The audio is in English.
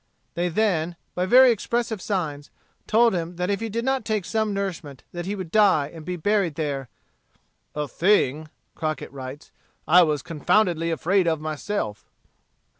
They then, by very expressive signs, told him that if he did not take some nourishment he would die and be buried there "a thing," Crockett writes, "I was confoundedly afraid of, myself."